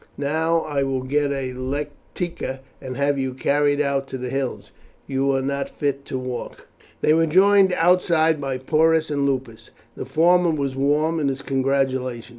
Now I will get a lectica and have you carried out to the hills. You are not fit to walk." They were joined outside by Porus and Lupus. The former was warm in his congratulation.